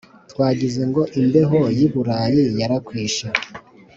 Twagize ngo imbeho y’iBurayi, yarakwishe